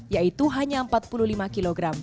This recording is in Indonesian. yaitu hanya empat puluh lima kg